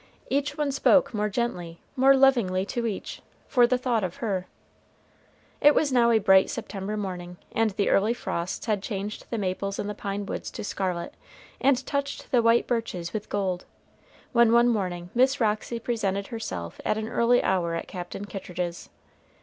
Each one spoke more gently, more lovingly to each, for the thought of her. It was now a bright September morning, and the early frosts had changed the maples in the pine woods to scarlet, and touched the white birches with gold, when one morning Miss Roxy presented herself at an early hour at Captain Kittridge's.